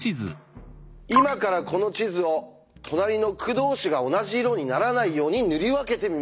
今からこの地図を隣の区同士が同じ色にならないように塗り分けてみましょう。